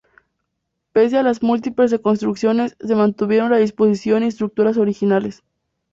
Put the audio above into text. Pese a las múltiples reconstrucciones se mantuvieron la disposición y estructuras originales.